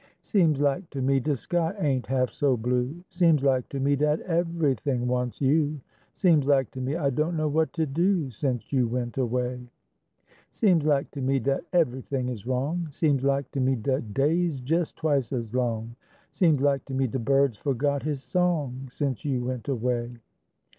Seems lak to me de sky ain't half so blue, Seems lak to me dat ev'ything wants you, Seems lak to me I don't know what to do, Sence you went away. Seems lak to me dat ev'ything is wrong, Seems lak to me de day's jes twice es long, Seems lak to me de bird's forgot his song, Sence you went away.